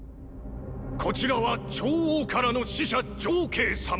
こちらは趙王からの使者上恵様！